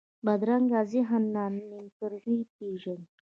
بدرنګه ذهن نه نېکمرغي پېژني